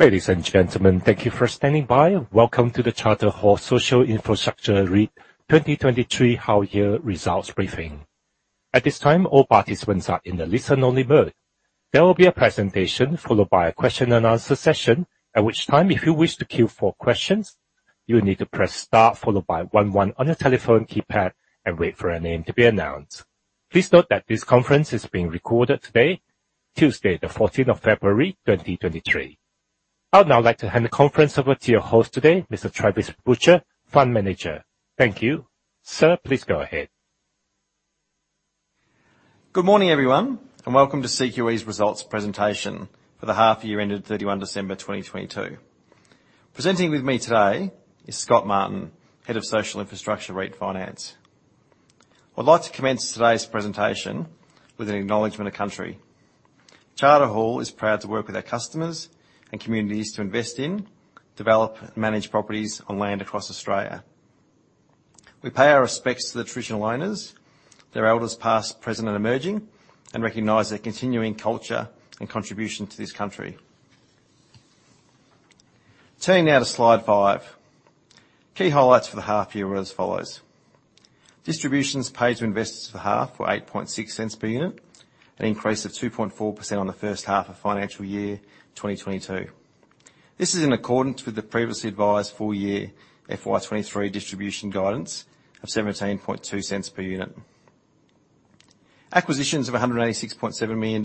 Ladies and gentlemen, thank you for standing by. Welcome to the Charter Hall Social Infrastructure REIT 2023 half-year results briefing. At this time, all participants are in the listen-only mode. There will be a presentation followed by a question and answer session. At which time, if you wish to queue for questions, you'll need to press Star followed by one on your telephone keypad and wait for your name to be announced. Please note that this conference is being recorded today, Tuesday, February 14, 2023. I'd now like to hand the conference over to your host today, Mr Travis Butcher, Fund Manager. Thank you. Sir, please go ahead. Good morning, everyone, and welcome to CQE's results presentation for the half-year ended 31 December 2022. Presenting with me today is Scott Martin, Head of Social Infrastructure REIT Finance. I'd like to commence today's presentation with an acknowledgment of country. Charter Hall is proud to work with our customers and communities to invest in, develop, and manage properties on land across Australia. We pay our respects to the traditional owners, their elders past, present, and emerging, and recognize their continuing culture and contribution to this country. Turning now to slide five. Key highlights for the half year were as follows: Distributions paid to investors for half were 0.086 per unit, an increase of 2.4% on the first half of financial year 2022. This is in accordance with the previously advised full year FY 2023 distribution guidance of 0.172 per unit. Acquisitions of AUD 186.7 million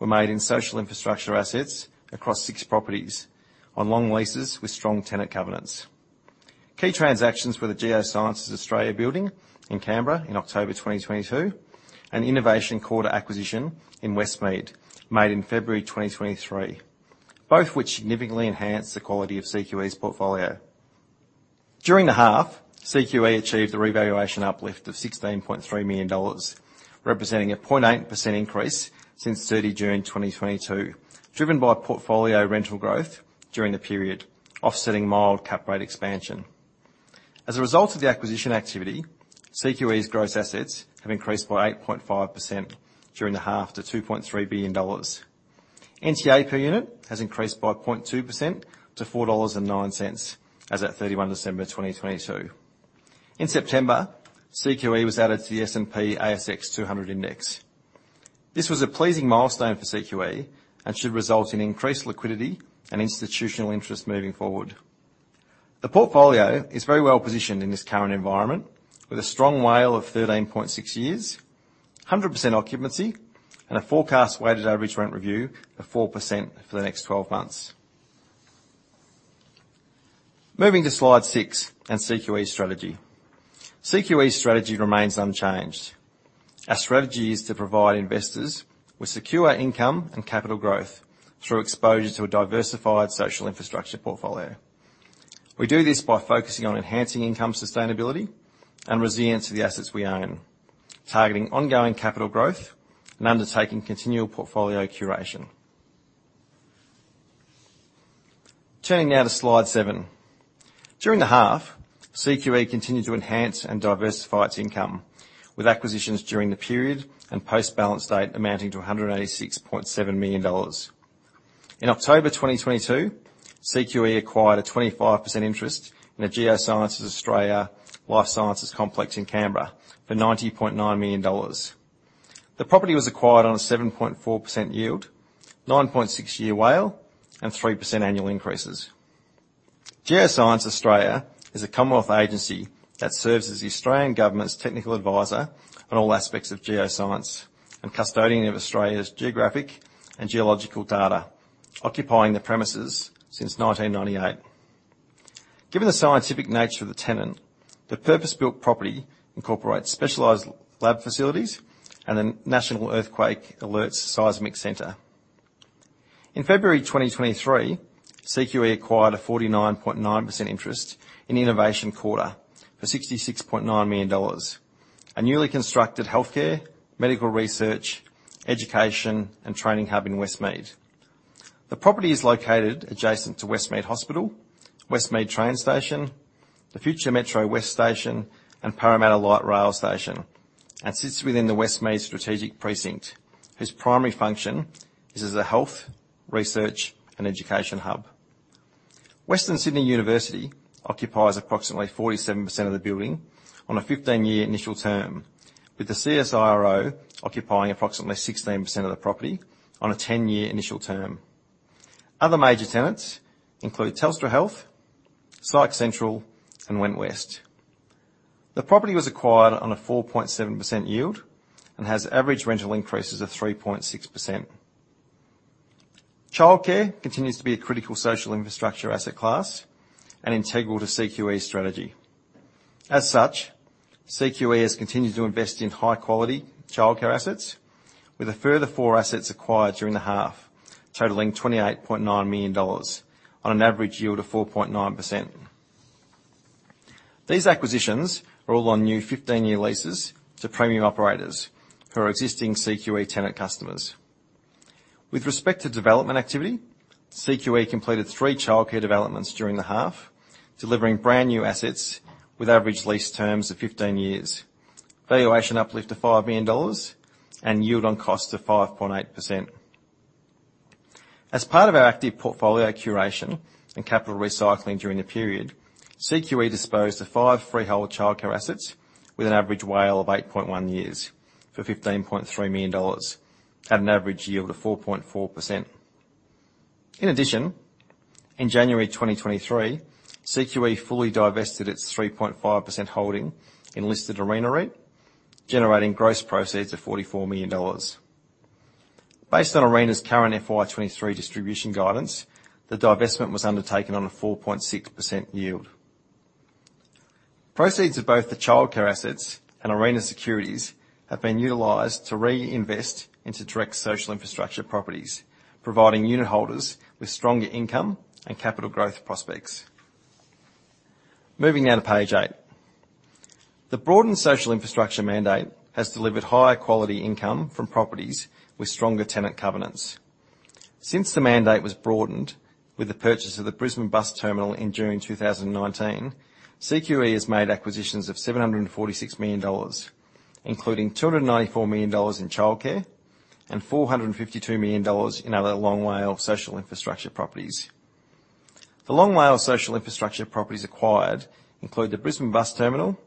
were made in social infrastructure assets across six properties on long leases with strong tenant covenants. Key transactions were the Geoscience Australia building in Canberra in October 2022, and the Innovation Quarter acquisition in Westmead made in February 2023, both which significantly enhanced the quality of CQE's portfolio. During the half, CQE achieved a revaluation uplift of AUD 16.3 million, representing a 0.8% increase since 30 June 2022, driven by portfolio rental growth during the period, offsetting mild cap rate expansion. As a result of the acquisition activity, CQE's gross assets have increased by 8.5% during the half to 2.3 billion dollars. NTA unit has increased by 0.2% to 4.09 dollars as at 31 December 2022. In September, CQE was added to the S&P/ASX 200 index. This was a pleasing milestone for CQE and should result in increased liquidity and institutional interest moving forward. The portfolio is very well-positioned in this current environment with a strong WALE of 13.6 years, 100% occupancy, and a forecast weighted average rent review of 4% for the next 12 months. Moving to slide six and CQE's strategy. CQE's strategy remains unchanged. Our strategy is to provide investors with secure income and capital growth through exposure to a diversified social infrastructure portfolio. We do this by focusing on enhancing income sustainability and resilience of the assets we own, targeting ongoing capital growth and undertaking continual portfolio curation. Turning now to slide seven. During the half, CQE continued to enhance and diversify its income, with acquisitions during the period and post-balance date amounting to 186.7 million dollars. In October 2022, CQE acquired a 25% interest in the Geoscience Australia Life Sciences Complex in Canberra for AUD 90.9 million. The property was acquired on a 7.4% yield, 9.6 year WALE, and 3% annual increases. Geoscience Australia is a Commonwealth agency that serves as the Australian government's technical advisor on all aspects of geoscience and custodian of Australia's geographic and geological data, occupying the premises since 1998. Given the scientific nature of the tenant, the purpose-built property incorporates specialized lab facilities and the National Earthquake Alerts Centre. In February 2023, CQE acquired a 49.9% interest in Innovation Quarter for 66.9 million dollars. A newly constructed healthcare, medical research, education, and training hub in Westmead. The property is located adjacent to Westmead Hospital, Westmead train station, the future Metro West station, and Parramatta Light Rail station, and sits within the Westmead strategic precinct, whose primary function is as a health, research, and education hub. Western Sydney University occupies approximately 47% of the building on a 15-year initial term, with the CSIRO occupying approximately 16% of the property on a 10-year initial term. Other major tenants include Telstra Health, PsychCentral, and WentWest. The property was acquired on a 4.7% yield and has average rental increases of 3.6%. Childcare continues to be a critical social infrastructure asset class and integral to CQE's strategy. As such, CQE has continued to invest in high quality childcare assets with a further four assets acquired during the half, totaling AUD 28.9 million on an average yield of 4.9%. These acquisitions are all on new 15-year leases to premium operators who are existing CQE tenant customers. With respect to development activity, CQE completed three childcare developments during the half, delivering brand new assets with average lease terms of 15 years. Valuation uplift to 5 million dollars and yield on cost to 5.8%. As part of our active portfolio curation and capital recycling during the period, CQE disposed to five freehold childcare assets with an average WALE of 8.1 years for 15.3 million dollars at an average yield of 4.4%. In addition, in January 2023, CQE fully divested its 3.5% holding in listed Arena REIT, generating gross proceeds of AUD 44 million. Based on Arena's current FY 2023 distribution guidance, the divestment was undertaken on a 4.6% yield. Proceeds of both the childcare assets and Arena securities have been utilized to reinvest into direct social infrastructure properties, providing unitholders with stronger income and capital growth prospects. Moving now to page eight. The broadened social infrastructure mandate has delivered higher quality income from properties with stronger tenant covenants. Since the mandate was broadened with the purchase of the Brisbane Bus Terminal in June 2019, CQE has made acquisitions of 746 million dollars, including 294 million dollars in childcare and 452 million dollars in other long WALE social infrastructure properties. The long WALE social infrastructure properties acquired include the Brisbane Bus Terminal,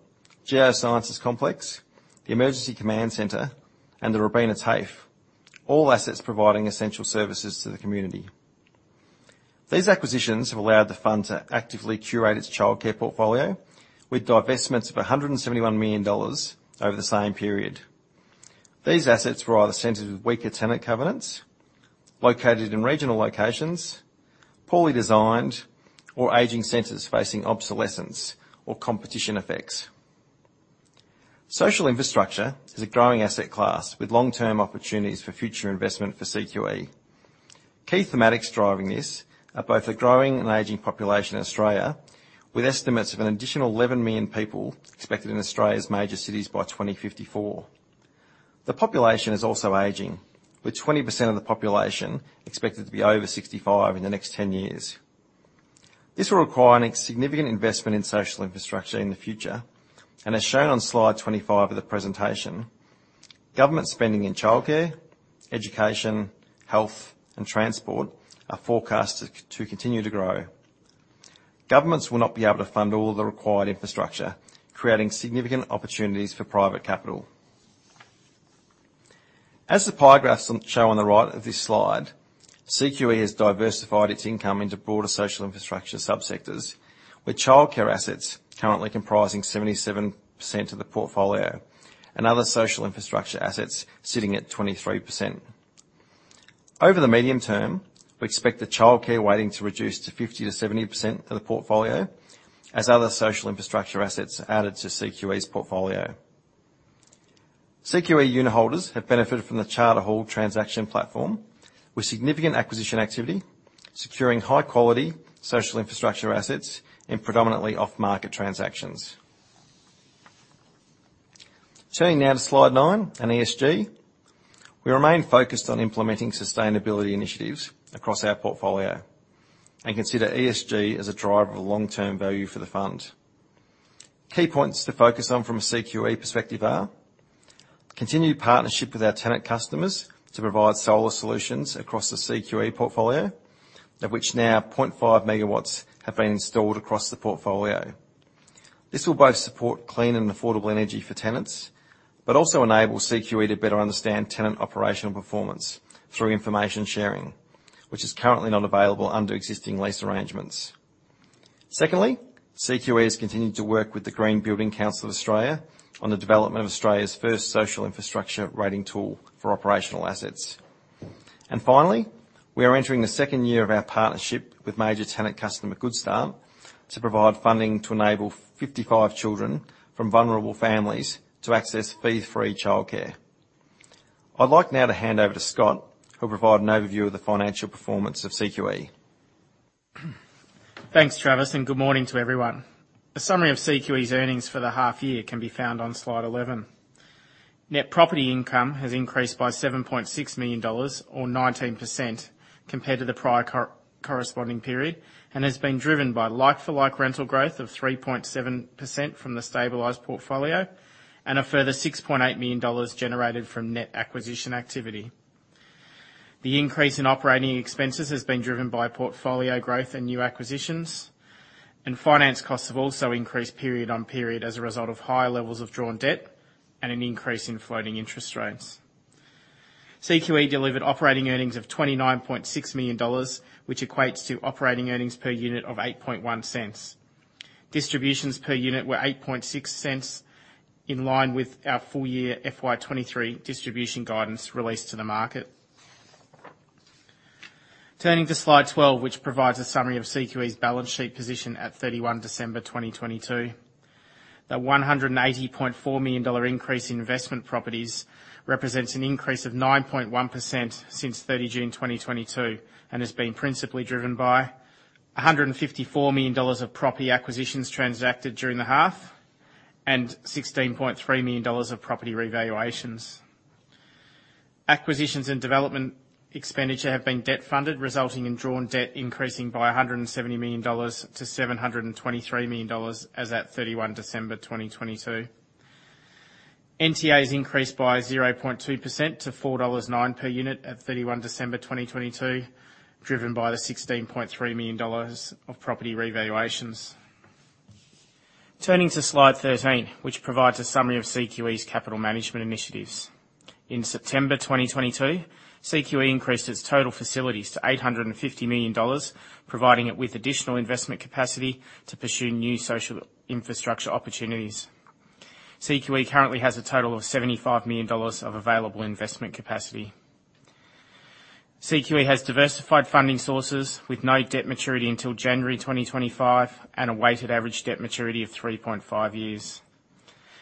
Geosciences Complex, the Emergency Command Center, and the Robina TAFE, all assets providing essential services to the community. These acquisitions have allowed the fund to actively curate its childcare portfolio with divestments of 171 million dollars over the same period. These assets were either centers with weaker tenant covenants, located in regional locations, poorly designed, or aging centers facing obsolescence or competition effects. Social infrastructure is a growing asset class with long-term opportunities for future investment for CQE. Key thematics driving this are both the growing and aging population in Australia, with estimates of an additional 11 million people expected in Australia's major cities by 2054. The population is also aging, with 20% of the population expected to be over 65 in the next 10 years. This will require a significant investment in social infrastructure in the future. As shown on slide 25 of the presentation, government spending in childcare, education, health, and transport are forecasted to continue to grow. Governments will not be able to fund all the required infrastructure, creating significant opportunities for private capital. As the pie graphs show on the right of this slide, CQE has diversified its income into broader social infrastructure subsectors, with childcare assets currently comprising 77% of the portfolio and other social infrastructure assets sitting at 23%. Over the medium term, we expect the childcare weighting to reduce to 50%-70% of the portfolio as other social infrastructure assets are added to CQE's portfolio. CQE unitholders have benefited from the Charter Hall transaction platform, with significant acquisition activity, securing high quality social infrastructure assets in predominantly off-market transactions. Turning now to slide nine and ESG. We remain focused on implementing sustainability initiatives across our portfolio and consider ESG as a driver of long-term value for the fund. Key points to focus on from a CQE perspective are continued partnership with our tenant customers to provide solar solutions across the CQE portfolio, of which now 0.5 MW have been installed across the portfolio. This will both support clean and affordable energy for tenants, but also enable CQE to better understand tenant operational performance through information sharing, which is currently not available under existing lease arrangements. Secondly, CQE has continued to work with the Green Building Council of Australia on the development of Australia's first social infrastructure rating tool for operational assets. Finally, we are entering the second year of our partnership with major tenant customer Goodstart to provide funding to enable 55 children from vulnerable families to access fee-free childcare. I'd like now to hand over to Scott, who'll provide an overview of the financial performance of CQE. Thanks, Travis, and good morning to everyone. A summary of CQE's earnings for the half year can be found on slide 11. Net property income has increased by 7.6 million dollars or 19% compared to the prior corresponding period and has been driven by like-for-like rental growth of 3.7% from the stabilized portfolio and a further 6.8 million dollars generated from net acquisition activity. The increase in operating expenses has been driven by portfolio growth and new acquisitions, and finance costs have also increased period on period as a result of higher levels of drawn debt and an increase in floating interest rates. CQE delivered operating earnings of AUD 29.6 million, which equates to operating earnings per unit of 0.081. Distributions per unit were 0.086 in line with our full year FY 2023 distribution guidance released to the market. Turning to slide 12, which provides a summary of CQE's balance sheet position at 31 December 2022. The 180.4 million dollar increase in investment properties represents an increase of 9.1% since 30 June 2022 and has been principally driven by 154 million dollars of property acquisitions transacted during the half and 16.3 million dollars of property revaluations. Acquisitions and development expenditure have been debt funded, resulting in drawn debt increasing by 170 million dollars to 723 million dollars as at 31 December 2022. NTA increased by 0.2% to 4.09 dollars per unit at 31 December 2022, driven by the 16.3 million dollars of property revaluations. Turning to slide 13, which provides a summary of CQE's capital management initiatives. In September 2022, CQE increased its total facilities to 850 million dollars, providing it with additional investment capacity to pursue new social infrastructure opportunities. CQE currently has a total of 75 million dollars of available investment capacity. CQE has diversified funding sources with no debt maturity until January 2025 and a weighted average debt maturity of 3.5 years.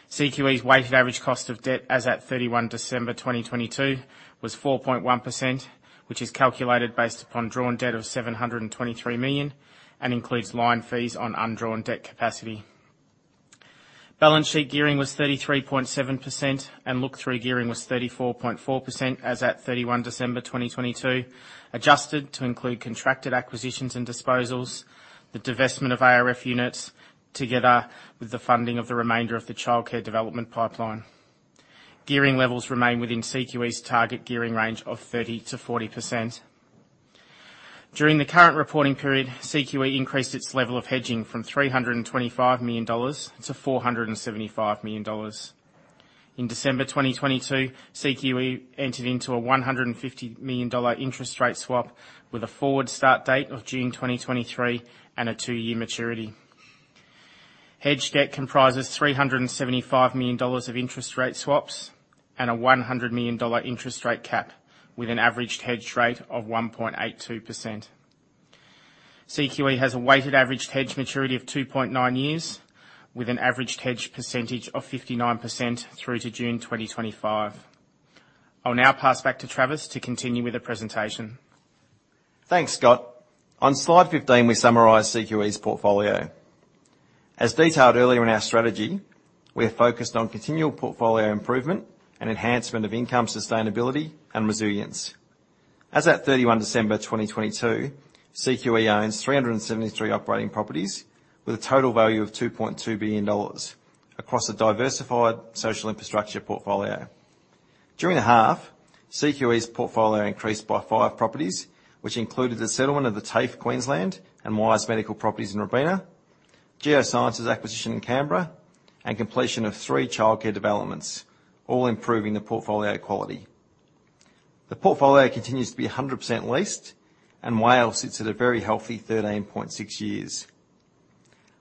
CQE's weighted average cost of debt as at 31 December 2022 was 4.1%, which is calculated based upon drawn debt of 723 million and includes line fees on undrawn debt capacity. Balance sheet gearing was 33.7% and look-through gearing was 34.4% as at 31 December 2022, adjusted to include contracted acquisitions and disposals, the divestment of ARF units together with the funding of the remainder of the childcare development pipeline. Gearing levels remain within CQE's target gearing range of 30%-40%. During the current reporting period, CQE increased its level of hedging from 325 million-475 million dollars. In December 2022, CQE entered into a 150 million dollar interest rate swap with a forward start date of June 2023 and a two-year maturity. Hedged debt comprises 375 million dollars of interest rate swaps and a 100 million dollar interest rate cap with an averaged hedge rate of 1.82%. CQE has a weighted average hedge maturity of 2.9 years, with an averaged hedge percentage of 59% through to June 2025. I'll now pass back to Travis to continue with the presentation. Thanks, Scott. On slide 15, we summarize CQE's portfolio. As detailed earlier in our strategy, we are focused on continual portfolio improvement and enhancement of income sustainability and resilience. As at 31 December 2022, CQE owns 373 operating properties with a total value of 2.2 billion dollars across a diversified social infrastructure portfolio. During the half, CQE's portfolio increased by five properties, which included the settlement of the TAFE Queensland and WiSE Medical Properties in Robina, Geoscience Australia acquisition in Canberra, and completion of three childcare developments, all improving the portfolio quality. The portfolio continues to be 100% leased, and WALE sits at a very healthy 13.6 years.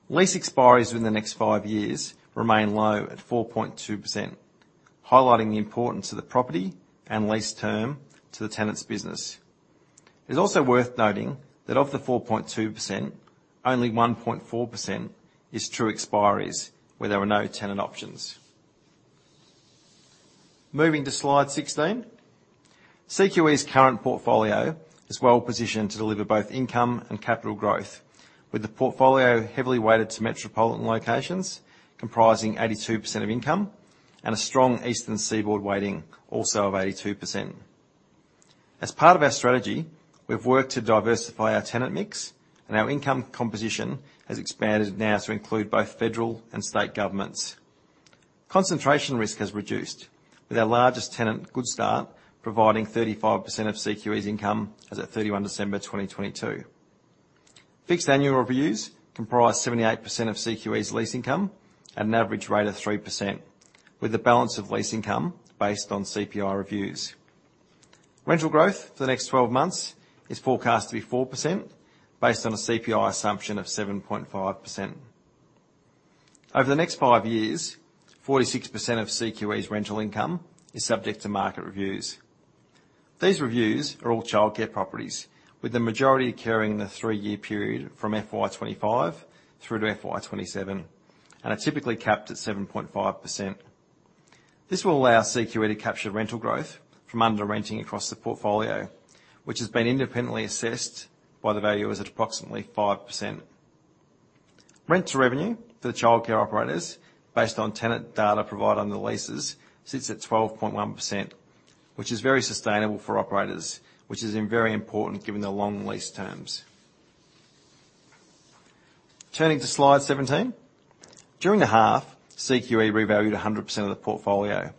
Lease expiries within the next five years remain low at 4.2%, highlighting the importance of the property and lease term to the tenant's business. It's also worth noting that of the 4.2%, only 1.4% is true expiries where there are no tenant options. Moving to slide 16. CQE's current portfolio is well-positioned to deliver both income and capital growth, with the portfolio heavily weighted to metropolitan locations comprising 82% of income and a strong Eastern Seaboard weighting also of 82%. As part of our strategy, we've worked to diversify our tenant mix, our income composition has expanded now to include both federal and state governments. Concentration risk has reduced, with our largest tenant, Goodstart, providing 35% of CQE's income as at 31 December 2022. Fixed annual reviews comprise 78% of CQE's lease income at an average rate of 3%, with the balance of lease income based on CPI reviews. Rental growth for the next 12 months is forecast to be 4% based on a CPI assumption of 7.5%. Over the next five years, 46% of CQE's rental income is subject to market reviews. These reviews are all childcare properties, with the majority occurring in the three-year period from FY 2025 through to FY 2027, and are typically capped at 7.5%. This will allow CQE to capture rental growth from under renting across the portfolio, which has been independently assessed by the valuers at approximately 5%. Rent to revenue for the childcare operators based on tenant data provided under the leases sits at 12.1%, which is very sustainable for operators, which is very important given the long lease terms. Turning to slide 17. During the half, CQE revalued 100% of the portfolio,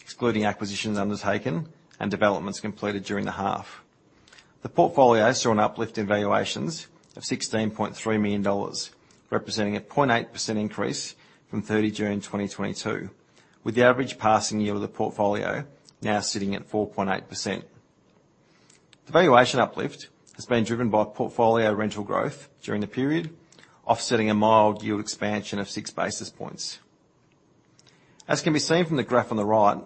excluding acquisitions undertaken and developments completed during the half. The portfolio saw an uplift in valuations of AUD 16.3 million, representing a 0.8% increase from June 30, 2022, with the average passing year of the portfolio now sitting at 4.8%. The valuation uplift has been driven by portfolio rental growth during the period, offsetting a mild yield expansion of 6 basis points. As can be seen from the graph on the right,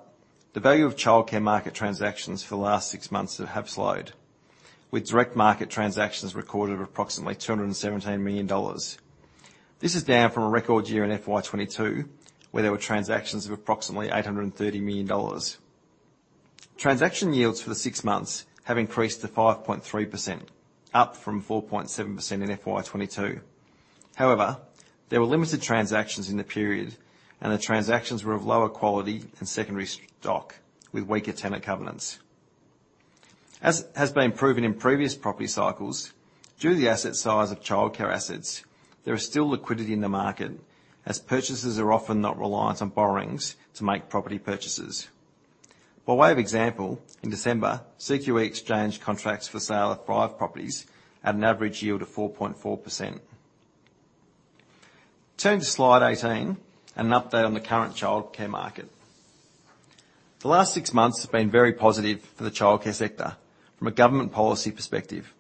the value of childcare market transactions for the last six months have slowed, with direct market transactions recorded at approximately 217 million dollars. This is down from a record year in FY 2022, where there were transactions of approximately 830 million dollars. Transaction yields for the six months have increased to 5.3%, up from 4.7% in FY 2022. However, there were limited transactions in the period, and the transactions were of lower quality and secondary stock with weaker tenant covenants. As has been proven in previous property cycles, due to the asset size of childcare assets, there is still liquidity in the market, as purchasers are often not reliant on borrowings to make property purchases. By way of example, in December, CQE exchanged contracts for sale of five properties at an average yield of 4.4%. Turning to slide 18, an update on the current childcare market. The last six months have been very positive for the childcare sector from a government policy perspective,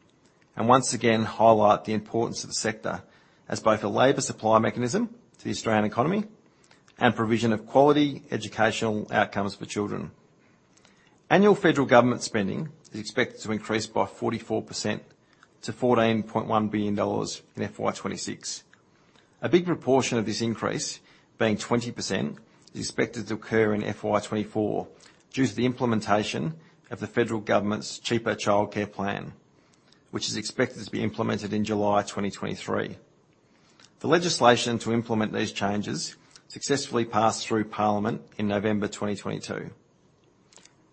and once again highlight the importance of the sector as both a labor supply mechanism to the Australian economy and provision of quality educational outcomes for children. Annual federal government spending is expected to increase by 44% to 14.1 billion dollars in FY 2026. A big proportion of this increase, being 20%, is expected to occur in FY 2024 due to the implementation of the federal government's Cheaper Child Care plan, which is expected to be implemented in July 2023. The legislation to implement these changes successfully passed through Parliament in November 2022.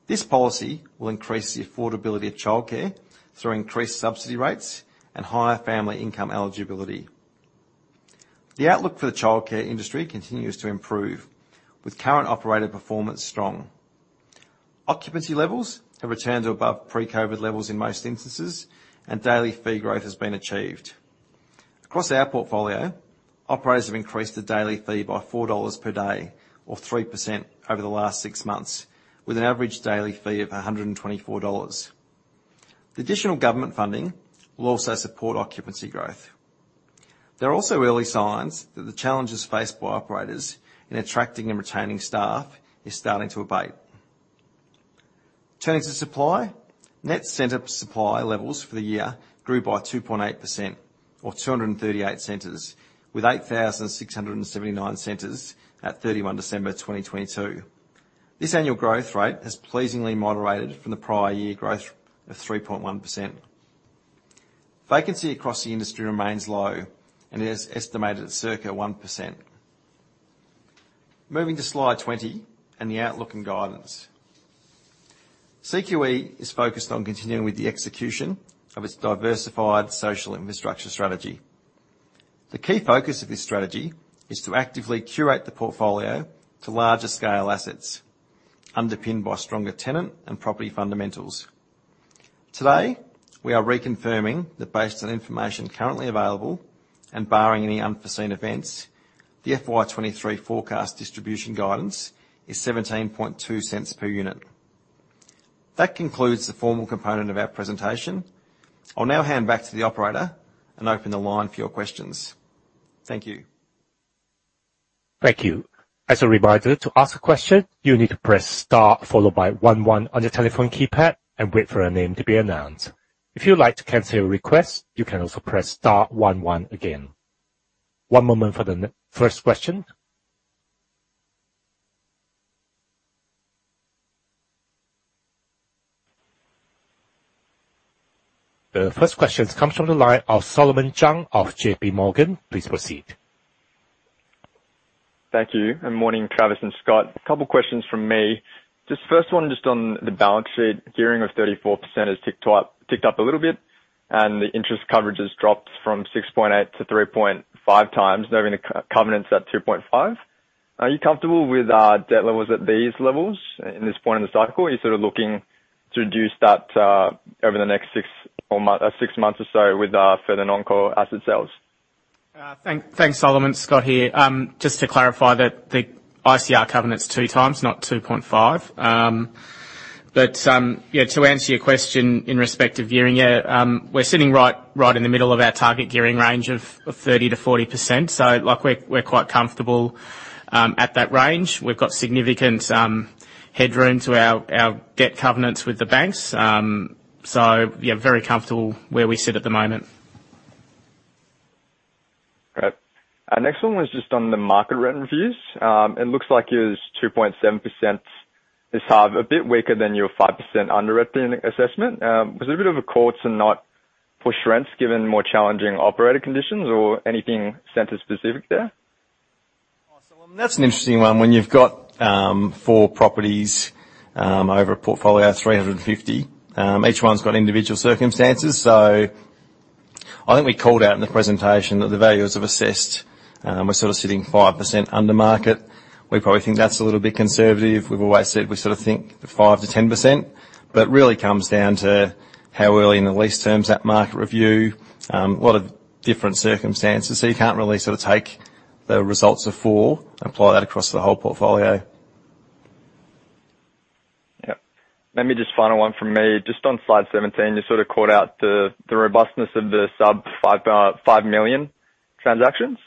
This policy will increase the affordability of childcare through increased subsidy rates and higher family income eligibility. The outlook for the childcare industry continues to improve, with current operator performance strong. Occupancy levels have returned to above pre-COVID levels in most instances, and daily fee growth has been achieved. Across our portfolio, operators have increased the daily fee by 4 dollars per day or 3% over the last six months with an average daily fee of 124 dollars. The additional government funding will also support occupancy growth. There are also early signs that the challenges faced by operators in attracting and retaining staff is starting to abate. Turning to supply, net center supply levels for the year grew by 2.8% or 238 centers, with 8,679 centers at 31 December 2022. This annual growth rate has pleasingly moderated from the prior year growth of 3.1%. Vacancy across the industry remains low and is estimated at circa 1%. Moving to slide 20 and the outlook and guidance. CQE is focused on continuing with the execution of its diversified social infrastructure strategy. The key focus of this strategy is to actively curate the portfolio to larger scale assets underpinned by stronger tenant and property fundamentals. Today, we are reconfirming that based on information currently available and barring any unforeseen events, the FY 2023 forecast distribution guidance is 0.172 per unit. That concludes the formal component of our presentation. I'll now hand back to the operator and open the line for your questions. Thank you. Thank you. As a reminder, to ask a question, you need to press star followed by one one on your telephone keypad and wait for a name to be announced. If you would like to cancel your request, you can also press star one one again. One moment for the first question. The first question comes from the line of Solomon Zhang of JPMorgan. Please proceed. Thank you. Morning, Travis and Scott. A couple questions from me. First one, on the balance sheet, gearing of 34% has ticked up a little bit, and the interest coverage has dropped from 6.8 to 3.5 times, knowing the co-covenants at 2.5x. Are you comfortable with debt levels at these levels in this point in the cycle? Are you sort of looking to reduce that over the next six months or so with further non-core asset sales? Thanks, Solomon. Scott here. Just to clarify that the ICR covenant's 2x not 2.5x. To answer your question in respect of gearing, we're sitting right in the middle of our target gearing range of 30%-40%. Like we're quite comfortable at that range. We've got significant headroom to our debt covenants with the banks. Very comfortable where we sit at the moment. Great. Our next one was just on the market rent reviews. It looks like your 2.7% is half a bit weaker than your 5% underwritten assessment. Was it a bit of a call to not push rents given more challenging operator conditions or anything center-specific there? That's an interesting one. When you've got four properties over a portfolio of 350, each one's got individual circumstances. I think we called out in the presentation that the valuers have assessed, we're sort of sitting 5% under market. We probably think that's a little bit conservative. We've always said we sort of think 5%-10%, but it really comes down to how early in the lease terms that market review, a lot of different circumstances. You can't really sort of take the results of four and apply that across the whole portfolio. Yeah. Maybe just final one from me. Just on slide 17, you sort of called out the robustness of the sub 5 million transactions.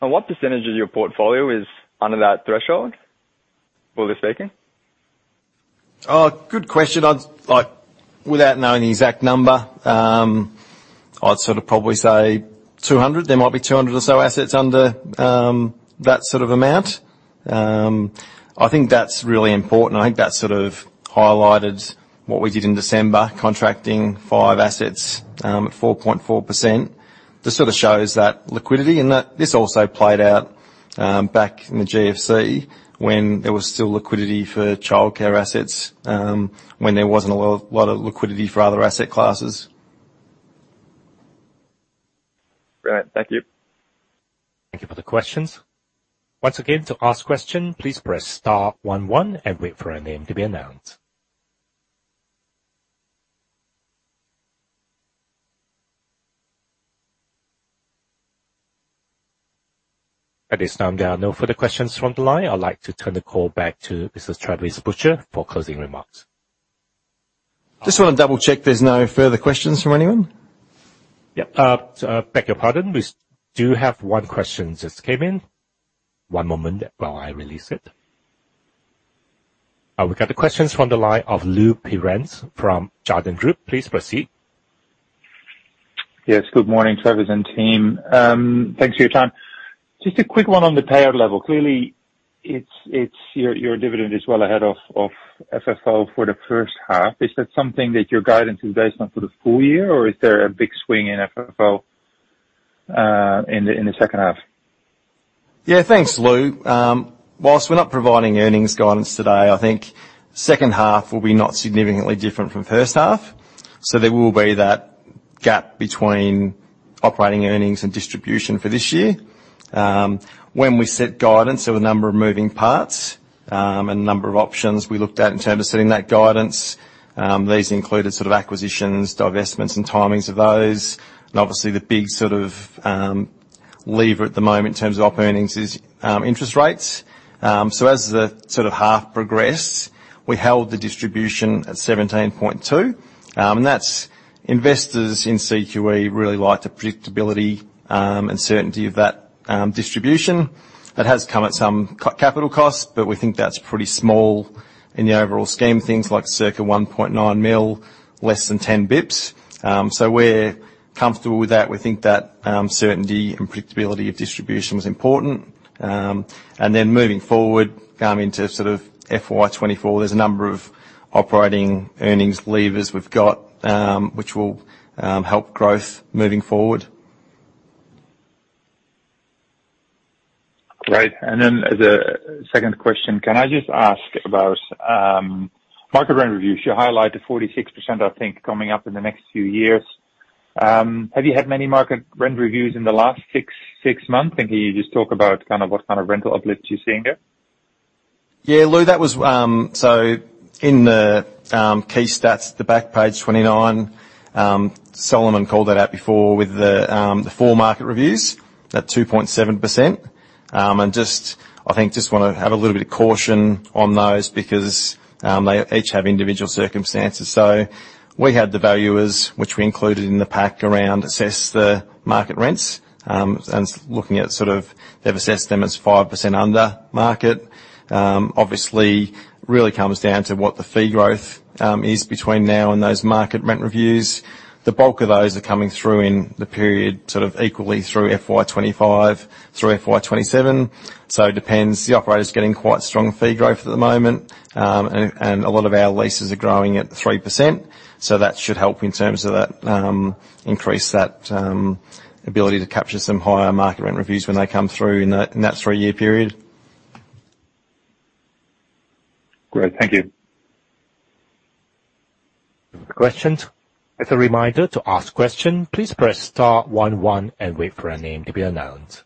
What percentage of your portfolio is under that threshold, broadly speaking? Good question. I'd like without knowing the exact number, I'd sort of probably say 200. There might be 200 or so assets under that sort of amount. I think that's really important. I think that sort of highlighted what we did in December, contracting five assets at 4.4%. This sort of shows that liquidity and that this also played out back in the GFC when there was still liquidity for childcare assets when there wasn't a lot of liquidity for other asset classes. Great. Thank you. Thank you for the questions. Once again, to ask question, please press star 11 and wait for a name to be announced. At this time, there are no further questions from the line. I'd like to turn the call back to Mr. Travis Butcher for closing remarks. Just wanna double-check there's no further questions from anyone? Yeah. beg your pardon. We do have one question just came in. One moment while I release it. We got a question from the line of Lou Pirenc from Jarden Group. Please proceed. Yes. Good morning, Travis and team. Thanks for your time. Just a quick one on the payout level. Clearly, it's your dividend is well ahead of FFO for the first half. Is that something that your guidance is based on for the full year, or is there a big swing in FFO in the second half? Yeah, thanks, Lou Pirenc. Whilst we're not providing earnings guidance today, I think second half will be not significantly different from first half, so there will be that gap between operating earnings and distribution for this year. When we set guidance, there were a number of moving parts, and a number of options we looked at in terms of setting that guidance. These included sort of acquisitions, divestments, and timings of those. Obviously the big sort of lever at the moment in terms of op earnings is interest rates. As the sort of half progressed, we held the distribution at 17.2. Investors in CQE really like the predictability and certainty of that distribution. That has come at some capital costs, but we think that's pretty small in the overall scheme of things, like circa 1.9 million, less than 10 basis points. We're comfortable with that. We think that certainty and predictability of distribution was important. Then moving forward into sort of FY 2024, there's a number of operating earnings levers we've got, which will help growth moving forward. Great. As a second question, can I just ask about market rent reviews. You highlighted 46%, I think, coming up in the next few years. Have you had many market rent reviews in the last six months? Can you just talk about kind of what kind of rental uplifts you're seeing there? Yeah, Lou, that was... In the key stats at the back, page 29, Solomon called that out before with the four market reviews at 2.7%. Just, I think, just wanna have a little bit of caution on those because they each have individual circumstances. We had the valuers, which we included in the pack around assess the market rents. They've assessed them as 5% under market. Obviously really comes down to what the fee growth is between now and those market rent reviews. The bulk of those are coming through in the period, sort of equally through FY 2025 through FY 2027. It depends. The operator's getting quite strong fee growth at the moment. A lot of our leases are growing at 3%, so that should help in terms of that increase that ability to capture some higher market rent reviews when they come through in that three-year period. Great. Thank you. Questions. As a reminder, to ask question, please press star one one and wait for a name to be announced.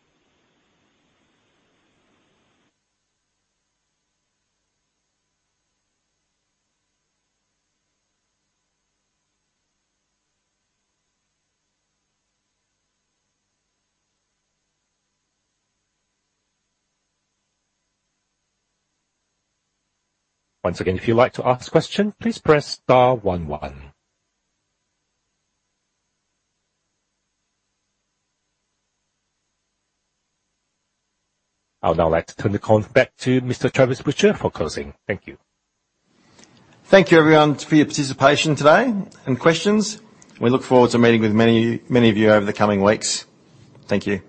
Once again, if you'd like to ask question, please press star one one. I would now like to turn the call back to Mr. Travis Butcher for closing. Thank you. Thank you everyone for your participation today and questions. We look forward to meeting with many, many of you over the coming weeks. Thank you.